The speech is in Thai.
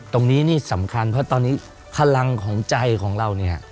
ตรงนี้สำคัญเพราะตอนนี้พลังใจของเรา